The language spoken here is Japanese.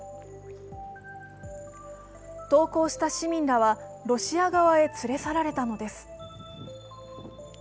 投降した市民らは、ロシア側へ連れ去られたのです。